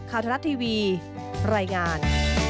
ข่าวทรัฐทีวีรายงาน